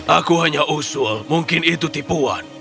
aku hanya usul mungkin itu tipuan